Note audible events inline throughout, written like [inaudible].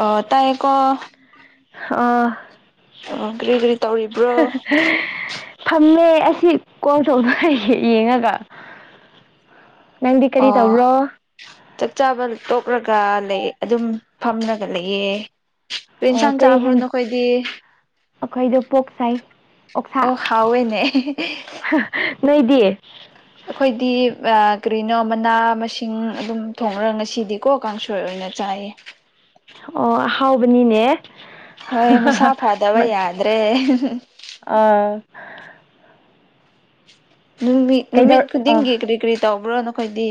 ꯑ ꯇꯥꯏꯀꯣ ꯑꯥ ꯑꯣ ꯀꯔꯤ ꯀꯔꯤ ꯇꯧꯔꯤꯕ꯭ꯔꯣ ꯐꯝꯃꯦ ꯑꯁꯤ ꯀꯣꯟ ꯇꯣꯅ ꯌꯦꯡꯉꯒ ꯅꯪꯗꯤ ꯀꯔꯤ ꯇꯧꯕ꯭ꯔꯣ ꯆꯞ ꯆꯥꯕ ꯇꯣꯛꯂꯒ ꯂꯩ ꯑꯗꯨꯝ ꯐꯝꯂꯒ ꯂꯩꯑ ꯀ ꯑꯣ ꯏꯟꯁꯥꯡ ꯀꯔꯤ ꯆꯥꯕ꯭ꯔꯣ ꯍꯦꯟ ꯅꯈꯣꯏꯗꯤ ꯑꯩꯈꯣꯏꯗꯣ ꯄꯣꯛꯆꯩ ꯑꯣꯛꯁꯥ ꯑꯣ ꯍꯥꯎꯋꯦꯅꯦ ꯅꯣꯏꯗꯤ ꯑꯩꯈꯣꯏꯗꯤ ꯀꯔꯤꯅꯣ ꯃꯅꯥ ꯃꯁꯤꯡ ꯑꯗꯨꯝ ꯊꯣꯡꯉꯔꯒ ꯉꯁꯤꯗꯤꯀꯣ ꯀꯥꯡꯁꯣꯏ ꯑꯣꯏꯅ ꯆꯥꯏꯌꯦ ꯑꯣꯍꯥꯎꯕꯅꯤꯅꯦ ꯍꯣꯏ ꯃꯁꯥ ꯐꯗꯕ ꯌꯥꯗ꯭ꯔꯦ ꯑꯥ ꯅꯨꯃꯤꯠ ꯀꯩꯗꯧ ꯅꯨꯃꯤꯠ ꯑꯥ ꯈꯨꯗꯤꯡꯒꯤ ꯀꯔꯤ ꯀꯔꯤ ꯇꯧꯕ꯭ꯔꯣ ꯅꯈꯣꯏꯗꯤ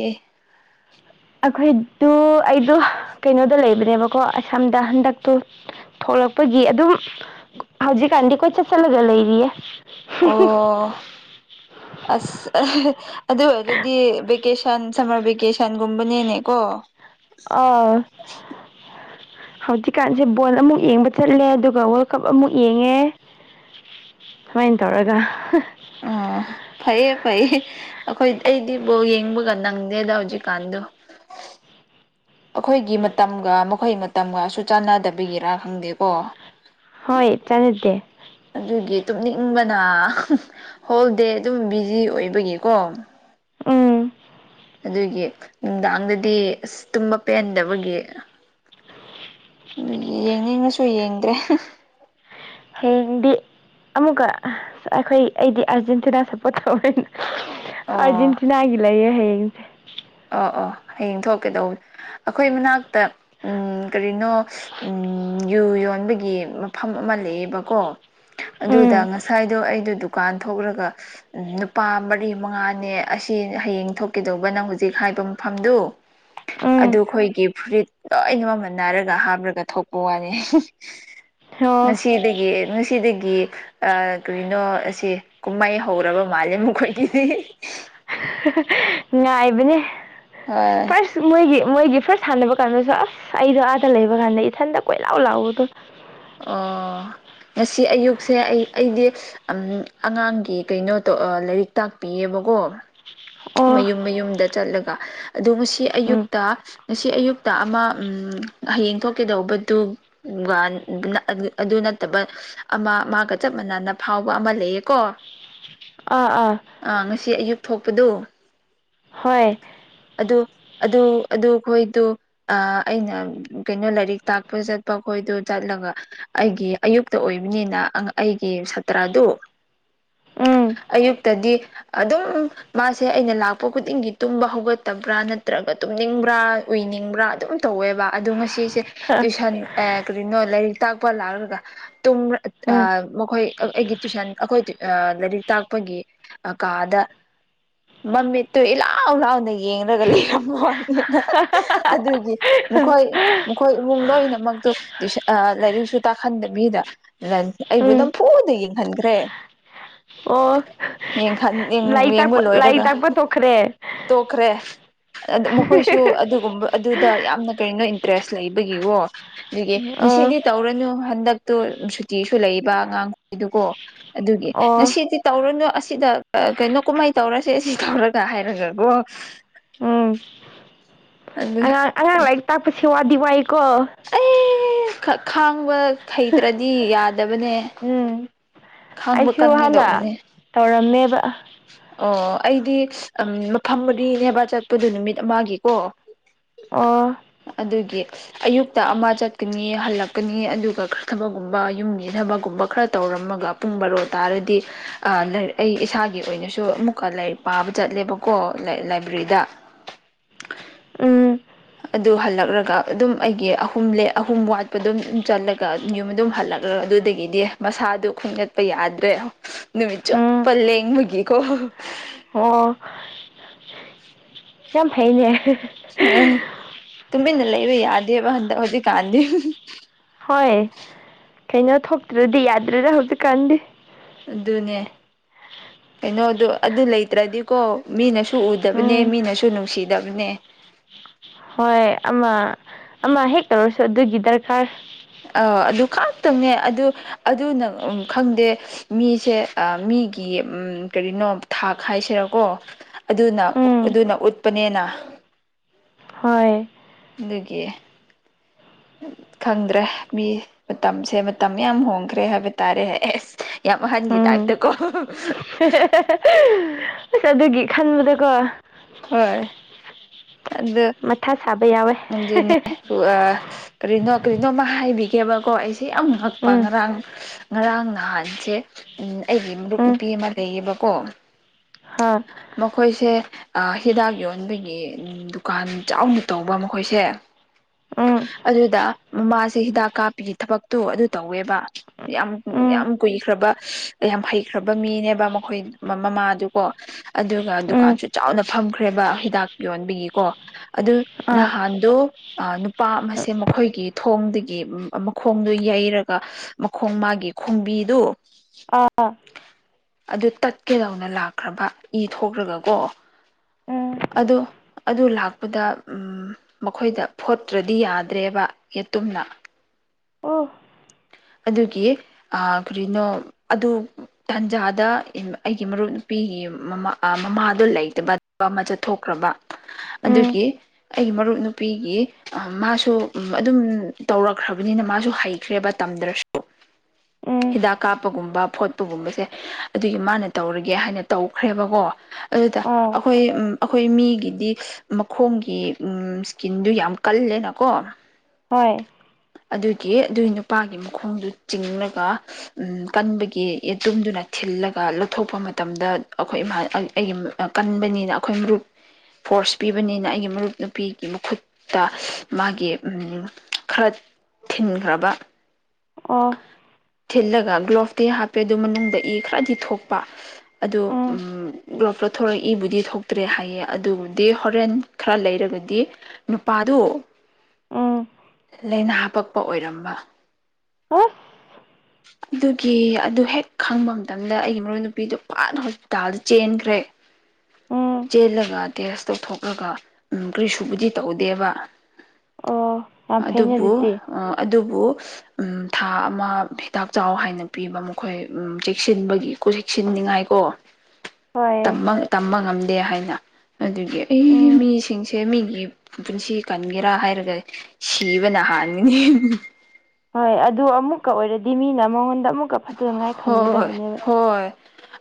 ꯑꯩꯣꯏꯗꯨ ꯑꯩꯗꯣ ꯀꯩꯅꯣꯗ ꯂꯩꯕꯅꯦꯕꯀꯣ ꯑꯁꯥꯝꯗ ꯍꯟꯗꯛꯇꯣ ꯊꯣꯛꯂꯛꯄꯒꯤ ꯑꯗꯨꯝ ꯍꯧꯖꯤꯛꯀꯥꯟꯗꯤ ꯀꯣꯏ ꯆꯠꯁꯤꯜꯂꯒ ꯂꯩꯔꯤꯌꯦ ꯑꯣ ꯑꯁ ꯑꯗꯨ ꯑꯣꯏꯔꯗꯤ ꯚꯀꯦꯁꯟ ꯁꯝꯃꯔ ꯚꯦꯀꯦꯁꯟꯒꯨꯝꯕꯅꯦꯅꯦꯀꯣ ꯑꯥ ꯍꯧꯖꯤꯛꯀꯥꯟꯁꯦ ꯕꯣꯜ ꯑꯃꯨꯛ ꯌꯦꯡꯕ ꯆꯠꯂꯦ ꯑꯗꯨꯒ ꯋꯥꯔꯜ ꯀꯞ ꯑꯃꯨꯛ ꯌꯦꯡꯉꯦ ꯁꯨꯃꯥꯏꯅ ꯇꯧꯔꯒ ꯑꯣ ꯐꯩꯌꯦ ꯐꯩꯌꯦ ꯑꯩꯈꯣꯏ ꯑꯩꯗꯤꯕꯨꯥꯎ ꯌꯦꯡꯕꯒ ꯅꯪ ꯗ ꯍꯧꯎꯖꯤ ꯀꯥꯟꯗ ꯑꯩꯈꯣꯏꯒꯤ ꯃꯇꯝꯒ ꯃꯈꯣꯏ ꯃꯇꯝꯒꯁꯨ ꯆꯥꯟꯅꯗꯕꯤꯒꯤꯔꯥ ꯈꯪꯗꯦꯀꯣ ꯍꯣꯏ ꯆꯂ ꯗ ꯑꯗꯨꯒꯤ ꯇꯨꯞꯅꯤꯡꯕꯅ ꯍꯣꯜ ꯗꯦ ꯑꯗꯨꯝ ꯕꯤꯖꯤ ꯑꯣꯏꯕꯒꯤꯀꯣ ꯎꯝ ꯑꯗꯨꯒꯤ ꯅꯨꯡꯗꯥꯡꯗꯗꯤ ꯑꯁ ꯇꯨꯝꯕ ꯄꯦꯟꯍꯟꯗꯕꯒꯤ ꯑꯗꯨ ꯌꯦꯡꯅꯤꯡꯅꯁꯨ ꯌꯦꯡꯗ꯭ꯔꯦ ꯍꯌꯦꯡꯗꯤ ꯑꯃꯨꯛꯀ ꯑꯩꯈꯣꯏ ꯑꯩꯗꯤ ꯑꯥꯔꯖꯦꯟꯇꯤꯅꯥ ꯁꯞꯄꯣꯔꯠ ꯇꯧꯕꯅꯤꯅ ꯑꯣ ꯑꯔꯖꯦꯟꯇꯤꯅꯥꯒꯂꯌꯦ ꯍꯌꯦꯡꯁꯦ ꯑꯣ ꯑꯣ ꯍꯌꯦꯡ ꯊꯣꯛꯀꯦꯗꯧꯕꯅꯦ ꯑꯩꯈꯣꯏ ꯃꯅꯥꯛꯇ ꯎ ꯀꯔꯤꯅꯣ ꯎꯝ ꯌꯨ ꯌꯣꯟꯕꯒꯤ ꯃꯐꯝ ꯑꯃ ꯂꯩꯌꯦꯕꯀꯣ ꯎꯝ ꯑꯗꯨꯗ ꯉꯁꯥꯏꯗꯣ ꯑꯩꯗꯣ ꯗꯨꯀꯥꯟ ꯊꯣꯛꯂꯒ ꯅꯨꯄꯥ ꯃꯔꯤ ꯃꯉꯥꯅꯦ ꯑꯁꯤ ꯍꯌꯦꯡ ꯊꯣꯛꯀꯦꯗꯧꯕ ꯅꯪ ꯍꯧꯖꯤꯛ ꯍꯥꯏꯕ ꯃꯐꯝꯗꯨ ꯎꯝ ꯑꯗꯨ ꯑꯩꯈꯣꯏꯒꯤ ꯐꯨꯔꯤꯠ ꯂꯣꯏꯅ ꯃꯃꯜ ꯅꯥꯏꯔꯒ ꯍꯥꯞꯂꯒ ꯊꯣꯛꯄ ꯋꯥꯅꯤ ꯑꯣ ꯃꯁꯤꯅꯨꯡꯁꯤꯗꯒꯤ ꯅꯨꯡꯁꯤꯗꯒꯤ ꯑ ꯀꯩꯅꯣ ꯑꯁꯤ ꯀꯨꯝꯍꯩ ꯍꯧꯔꯕ ꯃꯥꯜꯂꯦ ꯃꯈꯣꯏꯒꯤꯗꯤ ꯅꯦ ꯍꯣꯏ ꯐꯥꯔꯁ ꯃꯣꯏꯒꯤ ꯃꯣꯏꯒꯤ ꯐꯥꯔꯁ ꯁꯥꯟꯅꯕ ꯀꯥꯟꯗꯁꯨ ꯑꯁ ꯑꯩꯗꯣ ꯑꯥꯗ ꯂꯩꯕ ꯀꯥꯟꯗ ꯏꯊꯟꯇ ꯀꯣꯏꯂꯥꯎ ꯂꯥꯎꯕꯗꯣ ꯁꯤ ꯑꯌꯨꯛꯁꯦ ꯑꯩ ꯑꯩꯗꯤ ꯑꯉꯥꯡꯒꯤ ꯀꯩꯅꯣ ꯇꯣ ꯂꯥꯏꯔꯤꯛ ꯇꯥꯛꯄꯤꯌꯦꯕꯀꯣ ꯑꯣ ꯃꯌꯨꯝ ꯃꯌꯨꯝꯗ ꯆꯠꯂꯒ ꯑꯗꯣ ꯉꯁꯤ ꯎꯝ ꯑꯌꯨꯛꯇ ꯉꯁꯤ ꯑꯌꯨꯛꯇ ꯑꯃ ꯍꯌꯦꯡ ꯊꯣꯛꯀꯗꯧꯕꯗꯨ ꯑꯗꯨ ꯅꯠꯇꯕ ꯑꯃ ꯃꯥꯒ ꯆꯞ ꯃꯅꯅ ꯐꯥꯎꯕ ꯑꯃ ꯂꯩꯌꯦꯀꯣ ꯑꯥ ꯑꯥ ꯁꯤ ꯑꯌꯨꯛ ꯊꯣꯛꯄꯗ ꯍꯣꯏ ꯑꯗꯨ ꯑꯗꯨ ꯑꯗꯨ ꯑꯩꯣꯏꯗ ꯑꯩꯅ ꯀꯩꯅꯣ ꯂꯥꯏꯔꯤꯛ ꯇꯥꯛꯄ ꯆꯠꯄꯣꯏ ꯑꯗꯨ ꯆꯠꯂꯒ ꯑꯩꯒꯤ ꯑꯌꯨꯛꯇ ꯑꯣꯏꯕꯅꯤꯅ ꯑꯪ ꯑꯩꯒꯤ ꯁꯥꯇ꯭ꯔꯗꯨ ꯎꯝ ꯑꯌꯨꯛꯇꯗꯤ ꯑꯗꯨꯝ ꯃꯥꯁꯦ ꯁꯦ ꯑꯩꯅ ꯂꯥꯛꯄ ꯈꯨꯗꯤꯡꯒꯤ ꯇꯨꯝꯕ ꯍꯧꯒꯠꯇꯕ꯭ꯔꯥ ꯅꯠꯇ꯭ꯔꯒ ꯇꯨꯝꯅꯤꯡꯕ꯭ꯔꯥ ꯎꯏꯅꯤꯡꯕ꯭ꯔꯥ ꯑꯗꯨꯝ ꯇꯧꯋꯦꯕ ꯑꯗꯣ ꯉꯁꯤꯁꯦ ꯇꯨꯁꯟ ꯑꯦ ꯀꯔꯤꯅꯣ ꯂꯥꯏꯔꯤꯛ ꯇꯥꯛꯄ ꯂꯥꯛꯂꯒ ꯇꯨꯕꯔ ꯎꯝ ꯑꯥ ꯃꯈꯣꯏ ꯑꯩ ꯑꯩꯒꯤ ꯇꯨꯏꯁꯟ ꯑꯩꯈꯣꯏ ꯇꯨꯏ ꯑ ꯂꯥꯏꯔꯤꯛ ꯇꯥꯛꯄꯒꯤ ꯑ ꯀꯥꯗ [unintelligible] ꯃꯃꯤꯠꯇꯨ ꯏ ꯂꯥꯎ ꯂꯥꯎꯅ ꯌꯦꯡꯂꯡꯒ ꯂꯩꯔꯝꯃ ꯋꯥꯅꯤꯗ ꯑꯗꯨꯒꯤ ꯈꯣꯏ ꯃꯈꯣꯏ ꯏꯃꯨꯡ ꯂꯣꯏꯅꯃꯛꯇꯨ ꯇꯨꯏꯁꯥ ꯑꯥ ꯂꯥꯏꯔꯤꯛꯁꯨ ꯇꯥꯛꯍꯟꯗꯕꯤꯗ ꯂꯥꯟ ꯑꯩ ꯕꯨ ꯎꯝ ꯅ ꯐꯨꯗ ꯌꯦꯡꯍꯟꯈ꯭ꯔꯦ ꯑꯣ ꯌꯦꯡꯍꯟ ꯂꯥꯏ ꯌꯦꯡꯕ ꯇꯥꯛꯄ ꯂꯥꯏꯔꯤꯛ ꯂꯣꯏꯔꯒ ꯇꯥꯛꯄ ꯇꯣꯛꯈ꯭ꯔꯦ [unintelligible] ꯃꯈꯣꯏꯁꯨ ꯑꯗꯨꯒꯨꯝꯕ ꯑꯗꯨꯗ ꯌꯥꯝꯅ ꯀꯔꯤꯅꯣ ꯏꯟꯇꯔꯦꯁ ꯂꯩꯕꯒꯤꯀꯣ ꯑꯗꯨꯒꯤ ꯑꯣ ꯁꯤꯗꯤ ꯇꯧꯔꯅꯨ ꯍꯟꯗꯛꯇꯨ ꯁꯨꯇꯤꯁꯨ ꯂꯩꯕ ꯑꯉꯥꯡꯈꯩꯗꯨꯀꯣ ꯑꯗꯨꯒꯤ ꯑꯣ ꯉꯁꯤꯗꯤ ꯇꯧꯔꯨꯅꯨ ꯑꯁꯤꯗ ꯀꯩꯅꯣ ꯀꯨꯝꯍꯩ ꯇꯧꯔꯁꯦ ꯁꯤ ꯇꯧꯔꯒ ꯍꯥꯏꯔꯒꯀꯣ ꯎꯝ ꯑꯗꯨ ꯑꯉꯥꯡ ꯂꯔꯤꯛ ꯇꯥꯛꯄꯁ ꯋꯥꯗꯤ ꯋꯥꯏꯀꯣ ꯈꯥ ꯈꯥꯡꯕ ꯍꯩꯇ꯭ꯔꯗꯤ ꯌꯥꯗꯕꯅꯦ ꯎꯝ ꯈꯥꯡꯕ ꯑꯩꯁꯨ ꯍꯥꯟꯅ ꯀꯟꯒꯤꯗꯧꯕꯅꯦ ꯇꯧꯔꯝꯃꯦꯕ ꯑꯣ ꯑꯩꯗꯤ ꯑꯝ ꯃꯐꯝ ꯃꯔꯤꯅꯦꯕ ꯆꯠꯄꯗꯣ ꯅꯨꯃꯤꯠ ꯑꯃꯒꯤꯀꯣ ꯑꯣ ꯑꯗꯨꯒꯤ ꯑꯌꯨꯛꯇ ꯑꯃ ꯆꯠꯀꯅꯤ ꯍꯜꯂꯛꯀꯅꯤ ꯑꯗꯨꯒ ꯈꯔꯊꯕꯒꯨꯝꯕ ꯌꯨꯝ ꯌꯦꯊꯕꯒꯨꯝꯕ ꯈꯔ ꯇꯧꯔꯝꯃꯒ ꯄꯨꯡ ꯕꯥꯔꯣ ꯇꯥꯔꯗꯤ ꯑꯥ [unintelligible] ꯑꯩ ꯏꯁꯥꯒꯤ ꯑꯣꯏꯅꯁꯨ ꯑꯃꯨꯛꯀ ꯂꯥꯏꯔꯤꯛ ꯄꯥꯕ ꯆꯠꯂꯦꯕꯀꯣ ꯂꯥꯏ ꯂꯥꯏꯕ꯭ꯔꯦꯔꯤꯗ ꯑꯨꯝ ꯑꯗꯨ ꯍꯜꯂꯛꯂꯒ ꯑꯗꯨꯝ ꯑꯩꯒꯤ ꯑꯍꯨꯝ ꯑꯍꯨꯝ ꯋꯥꯠꯄ ꯑꯗꯨꯝ ꯆꯠꯂꯒ ꯑꯗꯨꯝ ꯌꯨꯝꯖ ꯑꯗꯨꯝ ꯍꯜꯂꯛ ꯑꯗꯣ ꯑꯗꯨꯗꯒꯤꯗꯤ ꯃꯁꯥꯗꯨ ꯈꯣꯡꯒꯠꯄ ꯌꯥꯗ꯭ꯔꯦ ꯅꯨꯃꯤꯠ ꯎꯝ ꯆꯨꯞꯠꯄ ꯂꯦꯡꯕꯒꯤꯀꯣ ꯎ ꯑꯣ ꯌꯝ ꯐꯩꯅꯦ ꯍ ꯇꯨꯃꯤꯟꯅ ꯂꯩꯕ ꯌꯥꯗꯦꯕ ꯍꯟꯗꯛ ꯍꯧꯖꯤꯛ ꯀꯥꯟꯗꯦ ꯍꯣꯏ ꯀꯩꯅꯣ ꯊꯣꯛꯇ꯭ꯔꯗꯤ ꯌꯥꯗ꯭ꯔꯦꯗ ꯍꯧꯖꯤꯛꯀꯥꯟꯗꯤ ꯑꯗꯨꯅꯦ ꯀꯩꯅꯣꯗꯣ ꯑꯗꯨ ꯂꯩꯇ꯭ꯔꯗꯤꯀꯣ ꯃꯤꯅꯁꯨ ꯎꯗꯕꯅꯦ ꯎꯝ ꯃꯤꯅꯁꯨ ꯅꯨꯡꯁꯤꯗꯕꯅꯦ ꯍꯣꯏ ꯑꯃ ꯑꯃ ꯍꯦꯛ ꯇꯧꯔꯁꯨ ꯑꯗꯨꯒꯤ ꯗꯔꯀꯥꯔ ꯑꯥꯎ ꯑꯗꯨ ꯈꯥꯛꯇꯪꯅꯦ ꯑꯗꯨ ꯑꯗꯨ ꯅꯪ ꯈꯪꯗꯦ ꯃꯤꯁꯦ ꯑ ꯃꯤ ꯑꯒꯤ ꯎꯝ ꯀꯔꯤꯅꯣ ꯊꯥꯛ ꯍꯥꯏꯁꯤꯔꯀꯣ ꯑꯗꯨꯅ ꯎꯝ ꯑꯗꯨꯅ ꯎꯠꯄꯅꯦꯅ ꯍꯣꯏ ꯑꯗꯨꯒꯤ [unintelligible] ꯈꯪꯗ꯭ꯔꯦ ꯃꯤ ꯃꯇꯝꯁꯦ ꯃꯇꯝ ꯌꯥꯝ ꯍꯣꯡꯈ꯭ꯔꯦ ꯍꯥꯏꯕ ꯇꯥꯔꯦ ꯑꯦꯁ ꯌꯥꯝ ꯑꯍꯟꯒꯤ ꯎꯝ ꯇꯥꯏꯞꯇꯀꯣ ꯑꯁ ꯑꯗꯨꯒꯤ ꯈꯟꯕꯗꯀꯣ ꯍꯣꯏ ꯑꯗ ꯃꯊꯥ ꯁꯥꯕ ꯌꯥꯎꯋꯦ ꯀꯔꯤꯅꯣ ꯀꯔꯤꯅꯣꯃ ꯍꯥꯏꯕꯤꯒꯦꯕꯀꯣ ꯑꯩꯁꯦ ꯌꯥꯝ ꯉꯛꯄ ꯎꯝ ꯉꯔꯥꯡ ꯉꯔꯥꯡ ꯔꯥꯡ ꯅꯍꯥꯟꯁꯦ ꯎꯝ ꯑꯩꯒꯤ ꯃꯔꯨꯞ ꯎꯝ ꯅꯨꯄꯤ ꯑꯃ ꯂꯩꯌꯦꯕ ꯀꯣ ꯍꯥ ꯃꯈꯣꯏꯁꯦ ꯍꯤꯗꯥꯛ ꯌꯣꯟꯕꯒꯤ ꯗꯨꯀꯥꯟ ꯆꯥꯎꯅ ꯇꯧꯕ ꯃꯈꯣꯏꯁꯦ ꯎꯝ ꯑꯗꯨꯗ ꯃꯃꯥꯁꯦ ꯍꯤꯗꯥꯛ ꯀꯥꯞꯄꯤꯒꯤ ꯊꯕꯛꯇꯣ ꯑꯗꯨ ꯇꯧꯋꯦꯕ ꯌꯥꯝ ꯎꯝ ꯌꯥꯝ ꯀꯨꯏꯈ꯭ꯔꯕ ꯌꯥꯝ ꯍꯩꯈ꯭ꯔꯕ ꯃꯤꯅꯦꯕ ꯃꯈꯣꯏ ꯃꯃꯥꯗꯨꯀꯣ ꯑꯗꯨꯒ ꯎꯝ ꯗꯨꯀꯥꯟꯁꯨ ꯅ ꯐꯝꯈ꯭ꯔꯦꯕ ꯍꯤꯗꯥꯛ ꯌꯣꯟꯕꯒꯤꯀꯣ ꯑꯗꯨ ꯑꯥ ꯅꯍꯥꯟꯗꯣ ꯄꯥꯝ ꯑꯁꯦ ꯃꯈꯣꯏꯒꯤ ꯊꯣꯡꯗꯒꯤ ꯃꯈꯣꯡꯗꯨꯣ ꯌꯩꯔꯒ ꯃꯈꯣꯡ ꯃꯥꯒꯤ ꯈꯣꯡꯕꯤꯗꯨ ꯑꯥ ꯑꯗꯨ ꯇꯠꯀꯦꯗꯧꯅ ꯂꯥꯛꯈ꯭ꯔꯕ ꯏ ꯊꯣꯛꯂꯒꯀꯣ ꯎꯝ ꯑꯗꯨ ꯑꯗꯨ ꯂꯥꯛꯄ ꯑꯗꯨꯗ ꯃꯈꯣꯏꯗ ꯐꯣꯠꯇ꯭ꯔꯗꯤ ꯌꯥꯗ꯭ꯔꯦꯕ ꯌꯦꯠꯇꯨꯝꯅ ꯑꯣ ꯑꯗꯨꯒꯤ ꯀꯔꯤꯅꯣ ꯑꯗꯨ ꯇꯟꯖꯥꯗ ꯑꯩꯒꯤ ꯃꯔꯨꯞ ꯅꯨꯄꯤꯒꯤ ꯃꯃꯥꯗꯣ ꯂꯩꯇꯕ ꯑꯃ ꯆꯠꯊꯣꯛꯈ꯭ꯔꯕ ꯎꯝ ꯑꯗꯨꯒꯤ ꯑꯩꯒꯤ ꯃꯔꯨꯞ ꯅꯨꯄꯤꯒꯤ ꯃꯥꯁꯨ ꯑꯗꯨꯝ ꯇꯧꯔꯛꯈ꯭ꯔꯕꯅꯤꯅ ꯃꯥꯁꯨ ꯍꯩꯈ꯭ꯔꯦꯕ ꯇꯝꯗ꯭ꯔꯁꯨ ꯎꯝ ꯍꯤꯗꯥꯛ ꯀꯥꯞꯄꯒꯨꯝꯕ ꯐꯣꯠꯄꯒꯨꯝꯕꯁꯦ ꯑꯗꯨꯒꯤ ꯃꯥꯅ ꯇꯧꯔꯒꯦ ꯍꯥꯏꯅ ꯇꯧꯈ꯭ꯔꯦꯕꯀꯣ ꯑꯗꯨꯗ ꯑꯥ ꯑꯩꯈꯣꯏ ꯑꯩꯈꯣꯏ ꯃꯤꯒꯤ ꯗꯤ ꯃꯈꯣꯡꯒꯤ ꯎꯝ ꯏꯁꯀꯤꯟꯗꯨ ꯌꯥꯝ ꯀꯜꯂꯦꯅꯀꯣ ꯍꯣꯏ ꯑꯗꯨꯒꯤ ꯑꯗꯨꯏ ꯅꯨ ꯅꯨꯄꯥꯒꯤ ꯃꯈꯣꯡꯗꯨ ꯆꯤꯡꯉꯒ ꯎ ꯀꯟꯕꯒꯤ ꯌꯦ ꯇꯨꯝꯗꯨꯅ ꯊꯤꯜꯂꯒ ꯂꯧꯊꯣꯛꯄ ꯃꯇꯝ ꯃꯇꯝꯗ ꯑꯩꯈꯣꯏ ꯏꯥ ꯑꯩꯒꯤ ꯀꯟꯕꯅꯤꯅ ꯑꯩꯈꯣꯏ ꯃꯔꯨꯞ ꯐꯣꯔꯁ ꯄꯤꯕꯅꯤꯅ ꯑꯩꯒꯤ ꯃꯔꯨꯞ ꯅꯨꯄꯤꯒꯤ ꯃꯈꯨꯠꯇ ꯃꯥꯒꯤ ꯈꯔ ꯊꯤꯟꯈ꯭ꯔꯕ ꯑꯣ ꯊꯤꯜꯂꯒ ꯒ꯭ꯂꯣꯞꯇ ꯍꯥꯞꯄꯦ ꯑꯗꯨ ꯃꯅꯨꯡꯗ ꯏ ꯈꯔꯗꯤ ꯊꯣꯛꯄ ꯑꯗꯨ ꯎꯝ ꯒ꯭ꯂꯣꯞ ꯊꯣꯛꯣꯔꯛꯏꯕꯨꯗꯤ ꯊꯣꯛꯇ꯭ꯔꯦ ꯍꯥꯏꯌꯦ ꯑꯗꯨꯕꯨꯗꯤ ꯍꯣꯔꯦꯟ ꯈꯔ ꯂꯩꯔꯒꯗꯤ ꯅꯨꯄꯥꯗꯨ ꯎꯝ ꯂꯥꯏꯅꯥ ꯍꯥꯄꯛꯄ ꯑꯣꯏꯔꯝꯕ ꯍꯥ ꯑꯗꯨꯒꯤ ꯑꯗꯨ ꯍꯦꯛ ꯈꯪꯕ ꯃꯇꯝꯗ ꯑꯩꯒꯤ ꯃꯔꯣꯏ ꯅꯨꯄꯤꯗꯨꯣ ꯐꯅ ꯍꯣꯁꯄꯤꯇꯥꯜꯗ ꯆꯦꯟꯈ꯭ꯔꯦ ꯎꯝ ꯆꯦꯜꯂꯒ ꯇꯦꯁ ꯇꯧꯊꯣꯛꯂꯒ ꯎꯝ ꯀꯔꯤ ꯁꯨꯕꯨꯗꯤ ꯇꯧꯗꯦꯕ ꯑꯣ ꯌꯥꯝ ꯐꯩꯅꯦ ꯑꯗꯨꯕꯨ ꯑꯗꯨꯗꯤ ꯑ ꯑꯗꯨꯕꯨ ꯎꯝ ꯊꯥ ꯑꯃ ꯍꯤꯇꯥꯛ ꯆꯥꯎ ꯍꯥꯏꯅ ꯄꯤꯕ ꯃꯈꯣꯏ ꯆꯦꯛꯁꯤꯟꯕꯒꯤ ꯆꯦꯛꯁꯤꯟꯅꯤꯉꯥꯏꯀꯣ ꯍꯣꯏ ꯇꯝꯕ ꯉꯝꯗꯦ ꯍꯥꯏꯅ ꯑꯗꯨꯒꯤ ꯑꯩ ꯎꯝ ꯃꯤꯁꯤꯡꯁꯦ ꯃꯤꯒꯤ ꯄꯨꯟꯁꯤ ꯀꯟꯒꯦꯔꯥ ꯍꯥꯏꯔꯒ ꯁꯤꯕꯅ ꯍꯥꯟꯒꯅꯤ ꯍꯣꯏ ꯑꯗꯨ ꯑꯃꯨꯛꯀ ꯑꯣꯏꯔꯗꯤ ꯃꯤꯅ ꯃꯉꯣꯟꯗ ꯑꯃꯨꯛꯀ ꯐꯠꯇꯅꯉꯥꯏ ꯍꯣꯏ ꯈꯟꯒꯗꯕꯅꯦꯕ ꯍꯣꯏ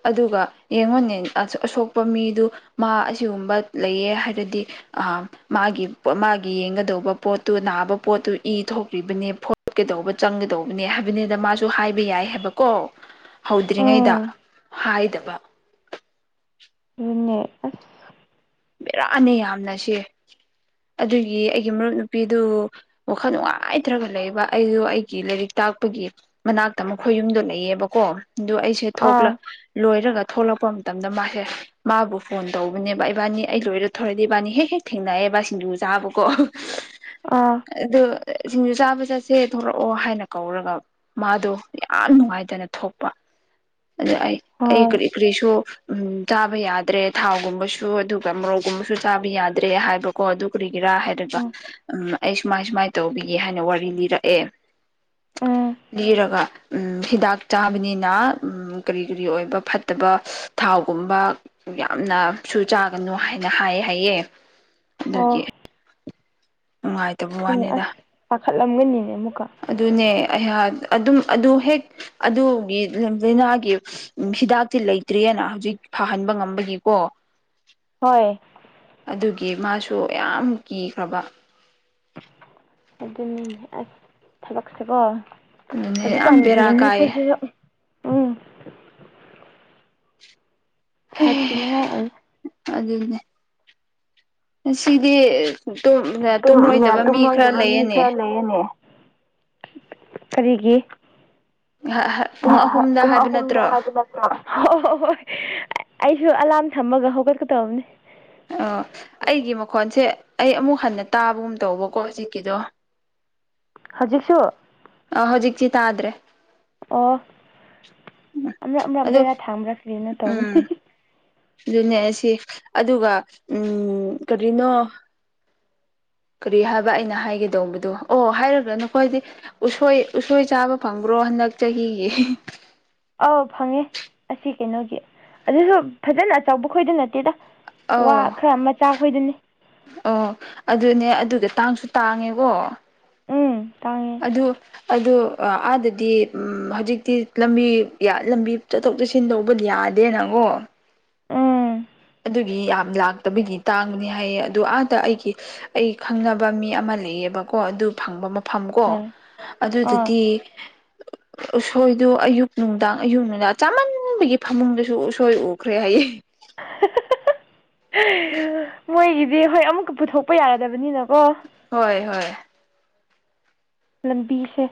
ꯑꯗꯨꯒ ꯌꯦꯡꯉꯣꯟꯅꯦ ꯑꯁꯣꯛꯄ ꯃꯤꯗꯨ ꯃꯥ ꯑꯁꯤꯒꯨꯝꯕ ꯂꯩꯌꯦ ꯍꯥꯏꯔꯗꯤ ꯃꯥꯒꯤ ꯃꯥꯒꯤ ꯌꯦꯡꯒꯗꯧꯕ ꯄꯣꯠꯇꯨ ꯅꯥꯕ ꯄꯣꯠꯇꯨ ꯏ ꯊꯣꯛꯈ꯭ꯔꯤꯕꯅꯦ ꯐꯣꯀꯗꯧꯕ ꯆꯪꯒꯗꯧꯕꯅꯦ ꯍꯥꯏꯕꯅꯤꯗ ꯃꯥꯁꯨ ꯍꯥꯏꯕ ꯌꯥꯏ ꯍꯥꯏꯕꯀꯣ ꯍꯧꯗ꯭ꯔꯤꯉꯩꯗ ꯎꯝ ꯍꯥꯏꯗꯕ ꯑꯗꯨꯅꯦ ꯑꯁ ꯦꯔꯥꯅꯦ ꯌꯥꯝꯅ ꯁꯤꯦ ꯑꯗꯨꯒꯤ ꯑꯩꯒꯤ ꯃꯔꯨꯞ ꯅꯨꯄꯤꯗꯨ ꯋꯥꯈꯜ ꯅꯨꯡꯉꯥꯏꯇ꯭ꯔꯒ ꯂꯩꯕ ꯑꯩꯗꯨ ꯑꯩꯒꯤ ꯂꯥꯏꯔꯤꯛ ꯇꯥꯛꯄꯒꯤ ꯃꯅꯥꯛꯇ ꯃꯈꯣꯏ ꯌꯨꯝꯗꯣ ꯂꯩꯌꯦꯕꯀꯣ ꯑꯗꯨ ꯑꯩꯁꯦ ꯊꯣꯛꯂ ꯑꯥ ꯂꯣꯏꯔꯒ ꯊꯣꯛꯂꯛꯄ ꯃꯇꯝꯗ ꯃꯥꯁꯦ ꯃꯥꯕꯨ ꯐꯣꯟ ꯇꯧꯕꯅꯦꯕ ꯏꯕꯥꯅꯤ ꯑꯩ ꯂꯣꯏꯔ ꯊꯣꯔꯗꯤ ꯏ ꯕꯥꯅꯤ ꯍꯦꯛ ꯍꯦꯛ ꯊꯦꯡꯅꯑꯦꯕ ꯁꯤꯡꯖꯨ ꯆꯥꯕꯀꯣ ꯑꯥ ꯑꯗꯨ ꯁꯤꯡꯖꯨ ꯆꯥꯕ ꯆꯠꯁꯦ ꯊꯣꯛꯂꯛꯑꯣ ꯍꯥꯏꯅ ꯀꯧꯔꯒ ꯃꯥꯗꯣ ꯌꯥꯝ ꯅꯨꯡꯉꯥꯏꯇꯅ ꯊꯣꯛꯄ [unintelligible] ꯑꯗ ꯑꯩ ꯑꯩ ꯍꯣꯏ ꯀꯔꯤ ꯀꯔꯤꯁꯨ ꯎ ꯆꯥꯕ ꯌꯥꯗ꯭ꯔꯦ ꯊꯥꯎꯒꯨꯝꯕꯁꯨ ꯑꯗꯨ ꯃꯧꯒꯨꯝꯕꯁꯨ ꯆꯥꯕ ꯌꯥꯗ꯭ꯔꯦ ꯍꯥꯏꯕꯀꯣ ꯑꯗꯨ ꯀꯔꯤꯒꯤꯔꯥ ꯍꯥꯏꯔꯒ ꯎꯝ ꯎꯝ ꯑꯩ ꯁꯨꯃꯥꯏ ꯁꯨꯃꯥꯏꯅ ꯇꯧꯕꯤ ꯍꯥꯏꯅ ꯋꯥꯔꯤ ꯂꯤꯔꯛꯑꯦ ꯎꯝ ꯂꯤꯔꯒ ꯎ ꯍꯤꯗꯥꯛ ꯆꯥꯕꯅꯤꯅ ꯀꯔꯤ ꯀꯔꯤ ꯑꯣꯏꯕ ꯐꯠꯇꯕ ꯊꯥꯎ ꯒꯨꯝꯕ ꯌꯥꯝꯅ ꯁꯨ ꯆꯥ ꯅꯨ ꯍꯥꯏꯅ ꯍꯥꯏ ꯍꯥꯏꯌꯦꯦ ꯑꯗꯨꯒꯤ ꯑꯣ ꯅꯨꯡꯉꯥꯏꯇꯕ ꯋꯥꯅꯤꯗ ꯂꯝꯒꯅꯤꯅꯦ ꯑꯗꯨꯅꯦ ꯑꯩꯍꯥꯛ ꯑꯗꯨꯝ ꯑꯗꯨ ꯍꯦꯛ ꯑꯗꯨꯒꯤ ꯂꯥꯏꯅꯥꯒꯤ ꯍꯤꯗꯥꯛꯇꯤ ꯂꯩꯇ꯭ꯔꯤꯑꯅ ꯍꯧꯖꯤꯛ ꯐꯍꯟꯕ ꯉꯝꯕꯒꯤꯀꯣ ꯍꯣꯏ ꯑꯗꯨꯒꯤ ꯃꯥꯁꯨ ꯌꯥꯝ ꯀꯤꯈ꯭ꯔꯕ ꯑꯗꯨꯅꯤ ꯑꯁ ꯊꯕꯛꯁꯦꯀꯣ ꯑꯗꯨꯅꯦ ꯌꯥꯝ ꯑꯗꯨꯛꯀꯥꯟꯒꯤ ꯕꯦꯔꯥ ꯀꯥꯏꯌꯦ ꯃꯤꯈꯣꯏꯁꯨ ꯎꯝ ꯁꯥꯊꯤꯅꯤꯉꯥꯏ ꯑꯣꯏ ꯁꯤꯗꯤ ꯇꯨꯝꯂꯣꯏꯗꯕ ꯃꯤ ꯈꯔ ꯇꯨꯝꯃꯣꯏꯗꯕ ꯃꯤ ꯂꯩꯌꯦꯅꯦ ꯈꯔ ꯂꯩꯌꯦꯅꯦ ꯀꯔꯤꯒꯤ ꯄꯨꯡ ꯑꯍꯨꯝꯗ ꯀꯨ ꯍꯥꯏꯕ ꯑꯍꯨꯝꯗ ꯅꯠꯇ꯭ꯔꯣ ꯍꯥꯏꯗꯨ ꯂ ꯍꯣꯏ ꯑꯩꯁꯨ ꯑꯂꯥꯔꯝ ꯊꯝꯃꯒ ꯍꯧꯒꯠꯀꯗꯕꯅꯦ ꯑꯣ ꯑꯩꯒꯤ ꯃꯈꯣꯟꯁꯦ ꯑꯩ ꯑꯃꯨꯛ ꯍꯟꯅ ꯇꯥꯕꯒꯨꯝ ꯇꯧꯕꯀꯣ ꯍꯧꯖꯤꯛꯀꯤꯗꯣ ꯍꯧꯖꯤꯛꯁꯨ ꯑ ꯍꯧꯖꯤꯛꯁꯤꯤ ꯇꯥꯗ꯭ꯔꯦ ꯑꯣ ꯑꯃꯔꯞ ꯑꯃꯔꯞ ꯑꯗꯣ ꯕꯦꯔꯥ ꯊꯥꯡꯗ꯭ꯔꯀꯦꯅꯣ ꯇꯧꯕꯅꯤ ꯎꯝ ꯑꯗꯨꯅꯦ ꯁꯤ ꯑꯗꯨꯒ ꯎꯝ ꯀꯔꯤꯅꯣ ꯀꯔꯤ ꯍꯥꯏꯕ ꯑꯩꯅ ꯍꯥꯏꯒꯦꯗꯧꯕꯗꯨꯣ ꯑꯣ ꯍꯥꯏꯔꯒ꯭ꯔ ꯅꯈꯣꯏꯗꯤ ꯎꯁꯣꯏ ꯎꯁꯣꯏ ꯆꯥꯕ ꯐꯪꯕ꯭ꯔꯣ ꯣ ꯍꯟꯗꯛ ꯆꯍꯤꯒꯤ ꯑꯥꯎ ꯐꯪꯉꯦ ꯑꯁꯤ ꯀꯩꯅꯣꯒꯤ ꯑꯗꯨꯁꯨ ꯐꯖꯅ ꯑꯆꯧꯕ ꯈꯣꯏꯗꯤ ꯅꯠꯇꯦꯗ ꯋꯥ ꯑꯣ ꯈꯔ ꯃꯆꯥ ꯈꯣꯏꯗꯨꯅꯤ ꯑꯣ ꯑꯗꯨꯅꯦ ꯑꯗꯨ ꯑꯗꯨꯗ ꯇꯥꯡꯁꯨ ꯇꯥꯡꯉꯦꯀꯣ ꯎꯝ ꯇꯥꯡꯉꯦ ꯑꯗꯨ ꯑꯗꯨꯗ ꯑꯥꯗꯗꯤ ꯍꯧꯖꯤꯛꯇꯤ ꯂꯝꯕꯤ ꯂꯝꯕꯤ ꯆꯠꯊꯣꯛ ꯆꯠꯁꯤꯟ ꯂꯧꯕꯗꯤ ꯌꯥ ꯑꯗꯦ ꯅꯣ ꯎꯝ ꯑꯗꯨꯒꯤ ꯌꯥꯝ ꯂꯥꯛꯇꯕꯒꯤ ꯇꯥꯡꯕꯅꯤ ꯍꯥꯏꯌꯦ ꯑꯗꯨ ꯑꯥꯗ ꯑꯩꯒꯤ ꯑꯩ ꯈꯪꯅꯕ ꯃꯤ ꯑꯃꯅ ꯂꯩꯑꯕꯀꯣ ꯑꯗꯨ ꯐꯪꯕ ꯃꯐꯝ ꯀꯣ ꯍꯣꯏ ꯑꯥ ꯑꯗꯨꯗꯨꯗꯤ [inaudible] ꯎꯁꯣꯏꯗꯨꯣ ꯑꯌꯨꯛ ꯅꯨꯡꯗꯥꯡ ꯑꯌꯨꯛ ꯅꯨꯡꯗꯥꯡ ꯆꯥꯃꯟꯕꯒꯤ ꯐꯃꯨꯡꯗꯁꯨ ꯎꯁꯣꯏ ꯎꯈ꯭ꯔꯦ ꯍꯥꯏꯌꯦ ꯃꯣꯏꯒꯤꯗꯤ ꯍꯣꯏ ꯑꯃꯨꯛꯀ ꯄꯨꯊꯣꯛꯄ ꯌꯥꯔꯗꯕꯅꯤꯅꯀꯣ ꯍꯣꯏ ꯍꯣꯏ ꯂꯝꯕꯤꯁꯦ